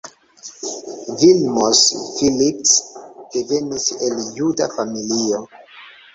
Vilmos Pillitz devenis el juda familio.